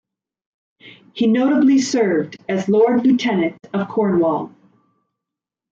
He notably served as Lord-Lieutenant of Cornwall.